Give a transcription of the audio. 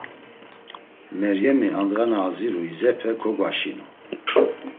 Meryemi andğa na aziru izepe kogvaşinu.